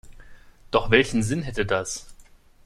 Doch welchen Sinn hätte das?